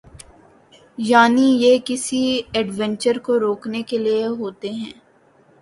یعنی یہ کسی ایڈونچر کو روکنے کے لئے ہوتے ہیں۔